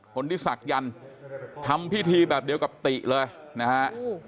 คนที่ศักยันต์ทำพิธีแบบเดียวกับติเลยนะฮะ